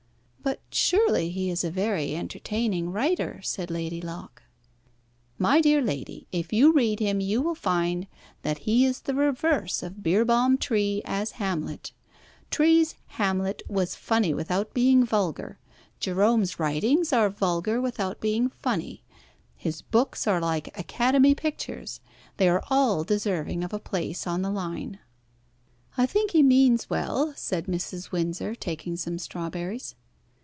"But surely he is a very entertaining writer," said Lady Locke. "My dear lady, if you read him you will find that he is the reverse of Beerbohm Tree as Hamlet. Tree's Hamlet was funny without being vulgar. Jerome's writings are vulgar without being funny. His books are like Academy pictures. They are all deserving of a place on the line." "I think he means well," said Mrs. Windsor, taking some strawberries.